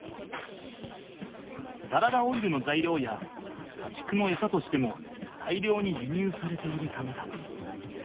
サラダオイルの材料や家畜の餌としても大量に輸入されているためだ。